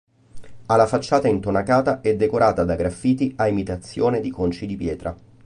Ha la facciata intonacata e decorata da graffiti a imitazione di conci di pietra.